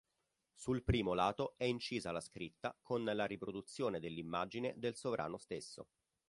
Sul primo lato è incisa la scritta con la riproduzione dell'immagine del sovrano stesso.